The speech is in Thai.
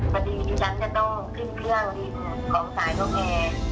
พอดีที่ฉันจะต้องขึ้นเครื่องดีถึงของสายโทรแหง